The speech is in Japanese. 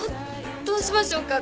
どうしましょうか？